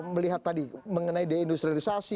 melihat tadi mengenai deindustrialisasi